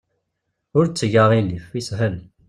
Ur tteg aɣilif. Yeshel.